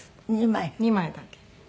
２枚だけ。